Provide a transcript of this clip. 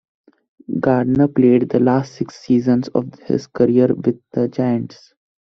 Gardner played the last six seasons of his career with the Giants.